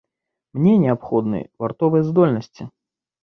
Мае неабходныя вартавыя здольнасці.